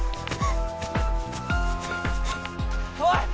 おい！